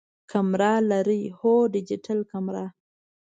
کمره لرئ؟ هو، ډیجیټل کمره